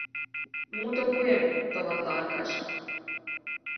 Мутым пуэм! — товатла Аркаш.